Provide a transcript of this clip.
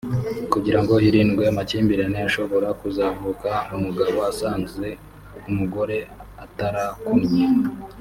kugirango hirindwe amakimbirane ashobora kuzavuka umugabo asanze umugore atarakunnye